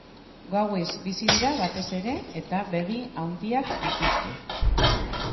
Gauez bizi dira batez ere eta begi handiak dituzte.